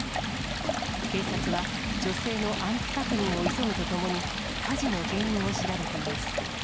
警察は、女性の安否確認を急ぐとともに、火事の原因を調べています。